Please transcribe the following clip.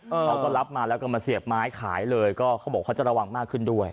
เขาก็รับมาแล้วก็มาเสียบไม้ขายเลยก็เขาบอกเขาจะระวังมากขึ้นด้วย